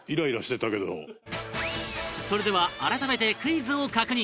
それでは改めてクイズを確認